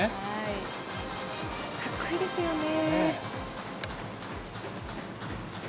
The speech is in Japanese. かっこいいですよね。